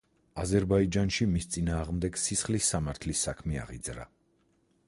აზერბაიჯანში მის წინააღმდეგ სისხლის სამართლის საქმე აღიძრა.